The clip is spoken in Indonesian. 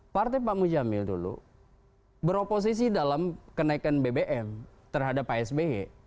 partai pak mujamil dulu beroposisi dalam kenaikan bbm terhadap pak sby